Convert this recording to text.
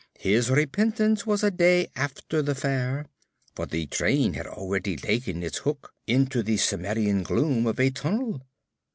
his repentance was a day after the fair, for the train had already taken its hook into the Cimmerian gloom of a tunnel!